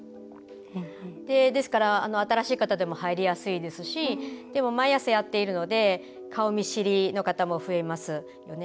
ですから、新しい方でも入りやすいですしでも、毎朝やっているので顔見知りの方も増えますよね。